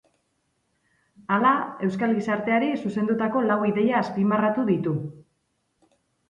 Hala, euskal gizarteari zuzendutako lau ideia azpimarratu ditu.